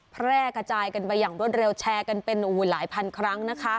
แพร่กระจายกันไปอย่างรวดเร็วแชร์กันเป็นหลายพันครั้งนะคะ